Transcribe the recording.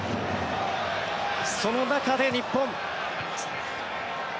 その中で日本。